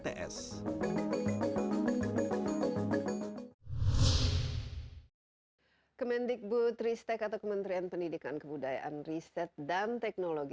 kemendikbud ristek atau kementerian pendidikan kebudayaan riset dan teknologi